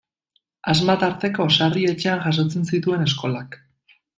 Asma tarteko, sarri etxean jasotzen zituen eskolak.